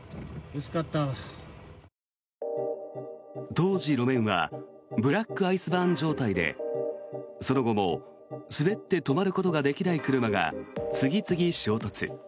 当時、路面はブラックアイスバーン状態でその後も滑って止まることができない車が次々、衝突。